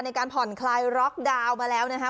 ในการผ่อนคลายล็อกดาวน์มาแล้วนะคะ